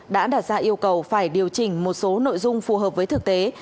đã đặt ra yêu cầu phải điều chỉnh một số nội dung phù hợp với thực tế